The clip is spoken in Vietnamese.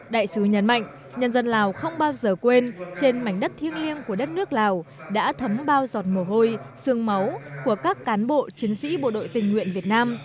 đại sứ nhấn mạnh nhân dân lào không bao giờ quên trên mảnh đất thiêng liêng của đất nước lào đã thấm bao giọt mồ hôi sương máu của các cán bộ chiến sĩ bộ đội tình nguyện việt nam